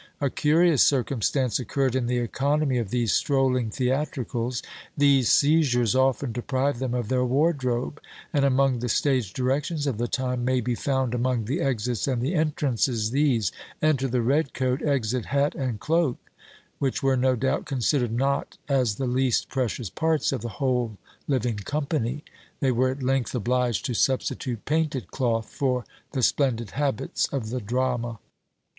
A curious circumstance occurred in the economy of these strolling theatricals: these seizures often deprived them of their wardrobe; and among the stage directions of the time, may be found among the exits and the entrances, these: Enter the red coat Exit hat and cloak, which were, no doubt, considered not as the least precious parts of the whole living company: they were at length obliged to substitute painted cloth for the splendid habits of the drama.